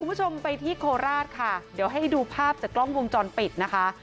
คุณผู้ชมไปที่โคราชค่ะเดี๋ยวให้ดูภาพจากกล้องวงจรปิดนะคะ